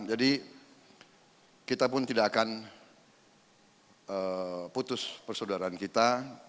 jadi kita pun tidak akan putus persaudaraan kita